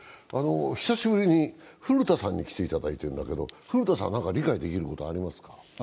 久しぶりに古田さんに来ていただいてるんだけど、分かることありますか？